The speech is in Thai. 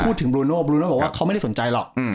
พูดถึงบูโน่บูโน่บอกว่าเขาไม่ได้สนใจหรอกอืม